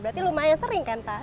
berarti lumayan sering kan pak